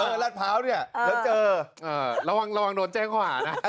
เออร้านพร้าวเนี้ยเออแล้วเจอเออระวังระวังโดนแจ้งขวานะ